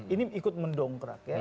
ini ikut mendongkrak ya